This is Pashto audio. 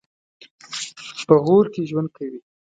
په غور کې ژوند کوي.